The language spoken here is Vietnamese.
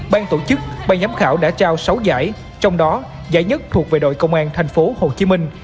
ban tổ chức ban giám khảo đã trao sáu giải trong đó giải nhất thuộc về đội công an thành phố hồ chí minh